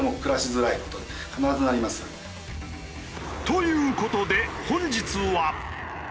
という事で本日は。